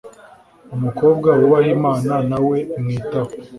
Umukobwa wubaha Imana nawe imwitaho